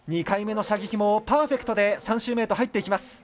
２回目の射撃もパーフェクトで３周目へと入っていきます。